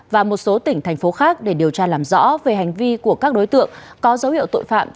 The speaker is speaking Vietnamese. và một số tỉnh thành phố khác để điều tra làm rõ về hành vi của các đối tượng có dấu hiệu tội phạm